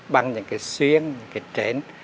bằng những cái xuyến những cái trễn